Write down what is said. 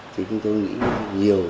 thì chúng tôi nghĩ nhiều